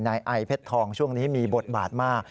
นายไอเพชรทองช่วงนี้มีบทบาทมาก